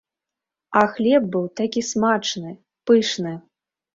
А хлеб быў такі смачны, пышны!